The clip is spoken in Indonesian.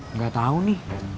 nggak tahu nih